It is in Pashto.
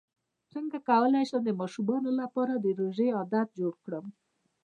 څنګه کولی شم د ماشومانو لپاره د روژې عادت جوړ کړم